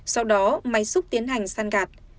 sau đó máy xúc tiến hành săn gạt